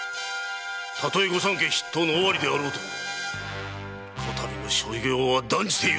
たとえ御三家筆頭の尾張であろうとこたびの所業は断じて許さぬ！